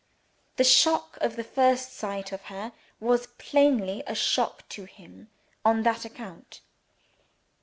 The shock of the first sight of her, was plainly a shock to him on that account.